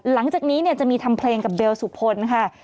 หลังจากนี้จะมีทำเพลงกับเบลสุภนค่ะ